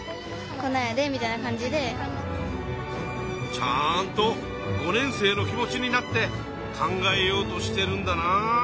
ちゃんと５年生の気持ちになって考えようとしてるんだなあ。